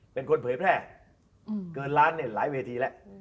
เป็นคนเผยแพร่เกินล้านเนี่ยหลายเวทีแล้ว